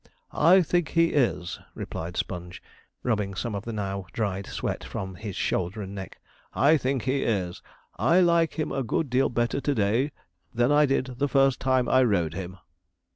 'I think he is,' replied Sponge, rubbing some of the now dried sweat from his shoulder and neck; 'I think he is; I like him a good deal better to day than I did the first time I rode him.'